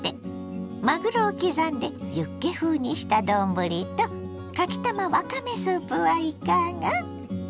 まぐろを刻んでユッケ風にした丼とかきたまわかめスープはいかが。